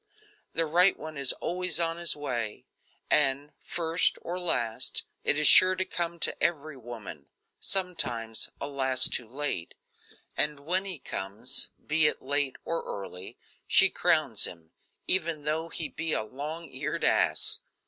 The right one is always on his way, and, first or last, is sure to come to every woman sometimes, alas! too late and when he comes, be it late or early, she crowns him, even though he be a long eared ass.